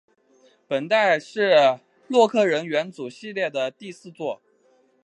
本代是洛克人元祖系列的第四作。